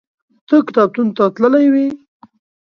ته کتابتون ته تللی وې؟